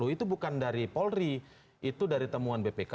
itu bukan dari polri itu dari temuan bpk